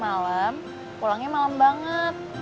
malam pulangnya malam banget